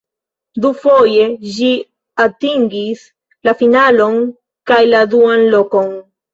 Dufoje ĝi atingis la finalon kaj la duan lokon.